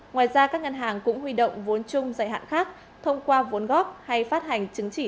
ngoài ra các ngân hàng cũng huy động vốn chung giải hạn khác thông qua vốn góp hay phát hành chứng chỉ